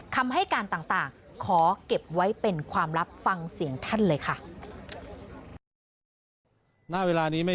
คำให้การต่างขอเก็บไว้เป็นความลับฟังเสียงท่านเลยค่ะ